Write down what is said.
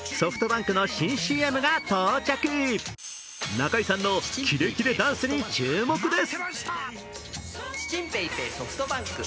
中居さんのキレキレダンスに注目です。